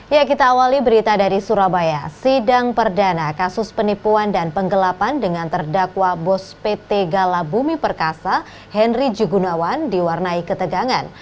ya kita awali berita dari surabaya sidang perdana kasus penipuan dan penggelapan dengan terdakwa bos pt galabumi perkasa henry jugunawan diwarnai ketegangan